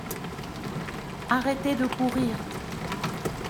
Arrêtez de courir.